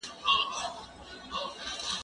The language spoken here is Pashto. زه به اوږده موده سينه سپين کړی وم